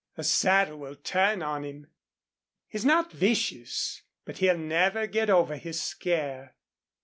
A saddle will turn on him. He's not vicious, but he'll never get over his scare.